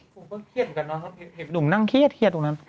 ผมก็เครียดกันนะเห็นหนุ่มนั่งเครียดตรงนั้น